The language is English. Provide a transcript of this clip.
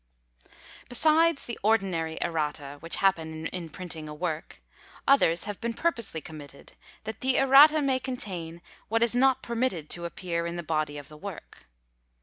Besides the ordinary errata, which happen in printing a work, others have been purposely committed, that the errata may contain what is not permitted to appear in the body of the work.